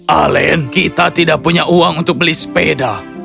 alen kita tidak punya uang untuk beli sepeda